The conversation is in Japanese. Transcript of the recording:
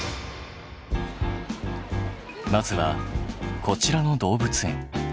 まずはこちらの動物園。